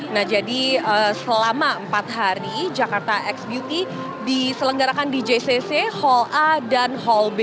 nah jadi selama empat hari jakarta x beauty diselenggarakan di jcc hall a dan hall b